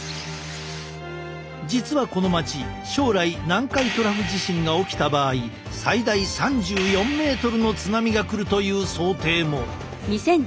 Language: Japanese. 実はこの町将来南海トラフ地震が起きた場合最大３４ｍの津波が来るという想定も。